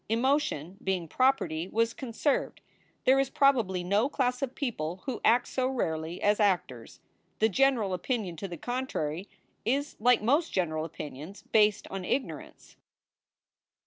Emotion, being property, was conserved. There is probably no class of people who act so rarely as actors. The general opinion to the contrary is like most general opinions based on ignorance.